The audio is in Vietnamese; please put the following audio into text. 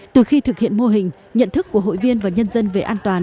từ khi thực hiện mô hình nhận thức của hội viên và nhân dân về an toàn